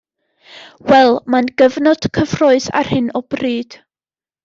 Wel, mae'n gyfnod cyffrous ar hyn o bryd